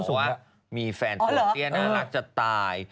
ว่ามีแฟนตัวเตี้ยน่ารักจะตาย